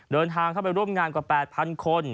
เดินทางเข้าไปร่วมงานกว่า๘๐๐คน